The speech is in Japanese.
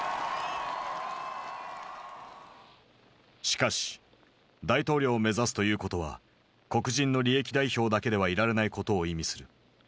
しかし大統領を目指すということは黒人の利益代表だけではいられないことを意味する。